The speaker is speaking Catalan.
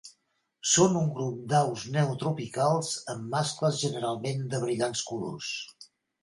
Són un grup d'aus neotropicals amb mascles generalment de brillants colors.